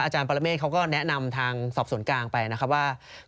ปรเมฆเขาก็แนะนำทางสอบสวนกลางไปนะครับว่า